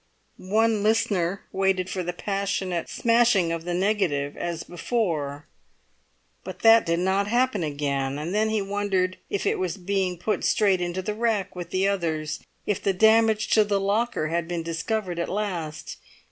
One listener waited for the passionate smashing of the negative as before; but that did not happen again; and then he wondered if it was being put straight into the rack with the others, if the damage to the locker had been discovered at last.